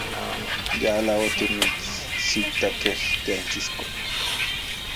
Yala otimitsitakej tiankisko.